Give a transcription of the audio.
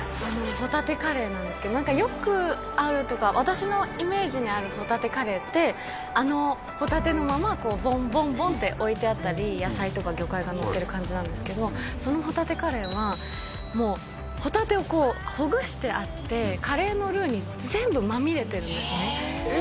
ホタテカレーなんですけどよくあるというか私のイメージにあるホタテカレーってあのホタテのままボンボンボンって置いてあったり野菜とか魚介がのってる感じなんですけどそのホタテカレーはもうホタテをほぐしてあってカレーのルーに全部まみれてるんですねええ